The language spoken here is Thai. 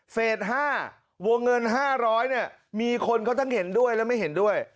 เฟส๕วงเงิน๕๐๐เนี่ยมีคนเขาทั้งเห็นด้วยและไม่เห็นด้วย